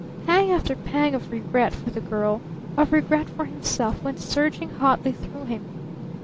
Pang after pang of regret for the girl, of regret for himself, went surging hotly through him.